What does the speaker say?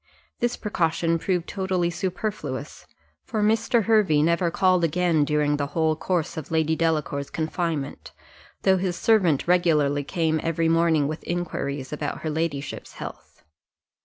This precaution proved totally superfluous, for Mr. Hervey never called again, during the whole course of Lady Delacour's confinement, though his servant regularly came every morning with inquiries after her ladyship's health.